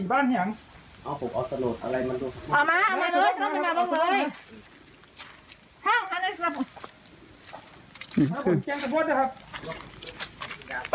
เอามาเอามาเลยเอามามาบอกเลยข้างข้างในสำหรับผมสำหรับผม